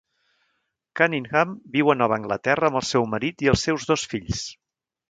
Cunningham viu a Nova Anglaterra amb el seu marit i els seus dos fills.